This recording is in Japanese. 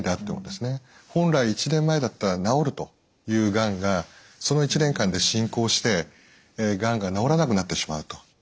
本来１年前だったら治るというがんがその１年間で進行してがんが治らなくなってしまうと。